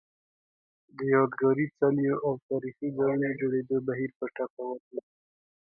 د یادګاري څلیو او تاریخي ځایونو جوړېدو بهیر په ټپه ودرېد